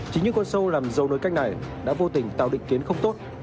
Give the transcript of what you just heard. chính những con sâu làm dầu nối canh này đã vô tình tạo định kiến không tốt